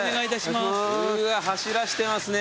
うわ走らせてますね。